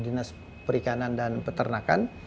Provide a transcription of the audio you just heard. dinas perikanan dan peternakan